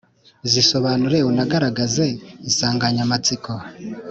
zisobanure unagaragaze insanganyamatsiko